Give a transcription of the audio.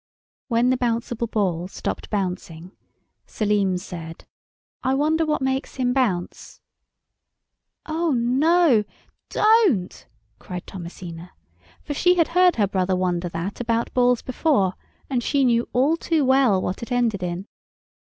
When the Bouncible Ball stopped bouncing, Selim said— "I wonder what makes him bounce." "Oh no, don't!" cried Thomasina, for she had heard her brother wonder that about balls before, and she knew all too well what it ended in.